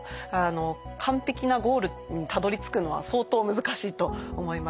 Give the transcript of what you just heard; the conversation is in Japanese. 完璧なゴールにたどりつくのは相当難しいと思います。